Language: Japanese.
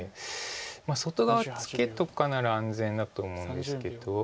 外側ツケとかなら安全だと思うんですけど。